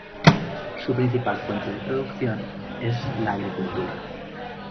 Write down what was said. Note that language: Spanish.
Su principal fuente de producción es la agricultura.